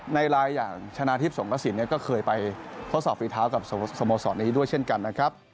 ในไลน์อย่างชนะทิพย์สงกระสินก็เคยไปทดสอบฝีเท้ากับสโมสรนี้ด้วยเช่นกันนะครับ